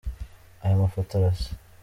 Aya mafoto arasa.